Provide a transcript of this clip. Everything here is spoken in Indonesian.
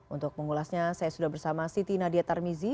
untuk mengulasnya saya sudah bersama siti nadia tarmizi